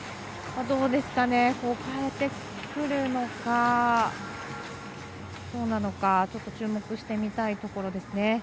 変えてくるのか、どうなのかちょっと注目して見たいところですね。